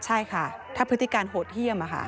ใช่ค่ะถ้าพฤติการโหดเยี่ยม